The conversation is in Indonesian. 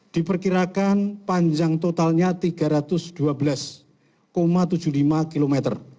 diperkirakan panjang totalnya tiga ratus dua belas tujuh puluh lima km